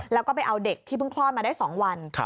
แล้วก็ไปเอาเด็กที่เพิ่งคลอดมาได้๒วัน